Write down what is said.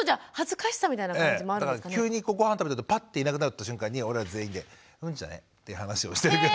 だから急にごはん食べてるときパッといなくなった瞬間に俺ら全員で「うんちだね」って話をしてるけどね。